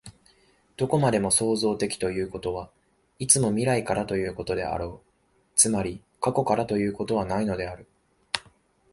どこまでも創造的ということは、いつも未来からということであろう、つまり過去からということはないのである。